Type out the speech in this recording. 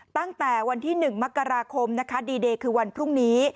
ตั้งแต่วันที่๑มกราคมนะคะดีเดย์คือวันพรุ่งนี้